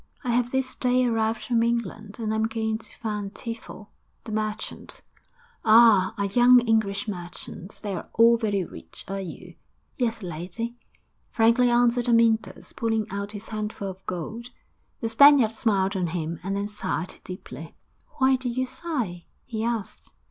'I have this day arrived from England, and I am going to Van Tiefel, the merchant.' 'Ah! a young English merchant. They are all very rich. Are you?' 'Yes, lady,' frankly answered Amyntas, pulling out his handful of gold. The Spaniard smiled on him, and then sighed deeply. 'Why do you sigh?' he asked.